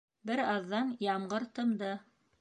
Бер аҙҙан ямгыр тымды.